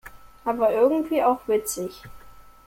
Aber irgendwie auch witzig.